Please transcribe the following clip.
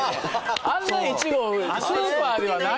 あんないちごスーパーではないもん。